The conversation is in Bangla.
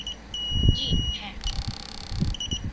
জ্বি, হ্যাঁ!